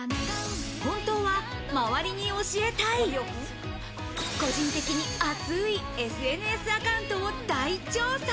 本当は周りに教えたい、個人的に熱いＳＮＳアカウントを大調査。